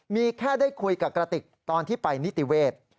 มีแค่ได้คุยกับกระติกตอนที่ไปนิติเวศ